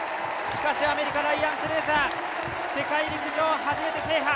しかしアメリカ、ライアン・クルーザー世界陸上初めて制覇。